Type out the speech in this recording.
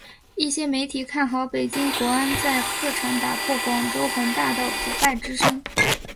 一些媒体看好北京国安在客场打破广州恒大的不败金身。